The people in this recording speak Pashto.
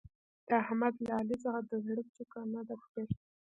د احمد له علي څخه د زړه څوکه نه ده پرې.